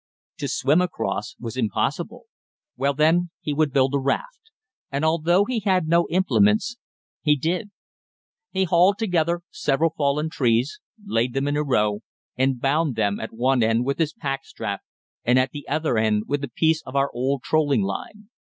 To swim across was impossible. Well, then, he would build a raft. And, although he had no implements, he did. He hauled together several fallen trees, laid them in a row and bound them at one end with his pack strap and at the other with a piece of our old trolling line.